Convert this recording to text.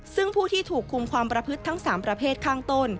ซึ่งผู้ที่ถูกคุมความประพฤติทั้ง๓ประเภทข้างต้น